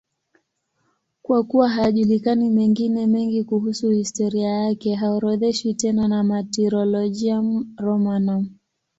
Kwa kuwa hayajulikani mengine mengi kuhusu historia yake, haorodheshwi tena na Martyrologium Romanum.